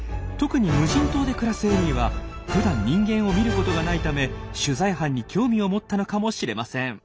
特に無人島で暮らすエリーはふだん人間を見ることがないため取材班に興味を持ったのかもしれません。